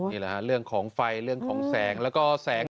นี่แหละฮะเรื่องของไฟเรื่องของแสงแล้วก็แสง